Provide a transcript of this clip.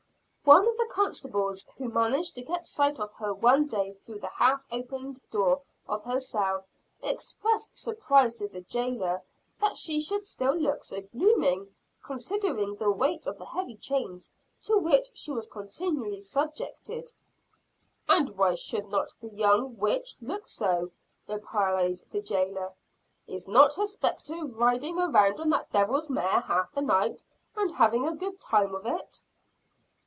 One of the constables, who managed to get sight of her one day through the half opened door of her cell, expressed surprise to the jailer that she should still look so blooming, considering the weight of the heavy chains to which she was continually subjected. "And why should not the young witch look so?" replied the jailer. "Is not her spectre riding around on that devil's mare half the night, and having a good time of it?"